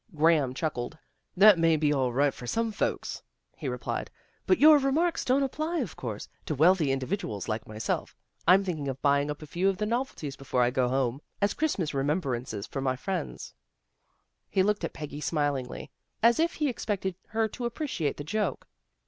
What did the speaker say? " Graham chuckled. " That may be all right for some folks," he replied. " But your remarks don't apply, of course, to wealthy individuals like myself. I'm thinking of buying up a few of the novelties before I go home, as Christmas remembrances for my friends." DOROTHY GOES SHOPPING 193 He looked at Peggy smilingly, as if he ex pected her to appreciate the joke.